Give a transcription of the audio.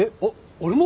俺も！？